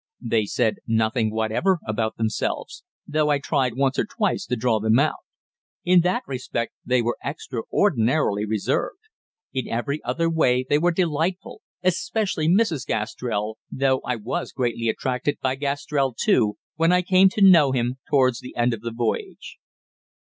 "They said nothing whatever about themselves, though I tried once or twice to draw them out. In that respect they were extraordinarily reserved. In every other way they were delightful especially Mrs. Gastrell, though I was greatly attracted by Gastrell too, when I came to know him towards the end of the voyage."